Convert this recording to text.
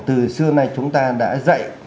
từ xưa nay chúng ta đã dạy